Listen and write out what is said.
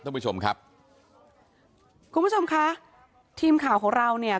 ท่านผู้ชมครับคุณผู้ชมคะทีมข่าวของเราเนี่ย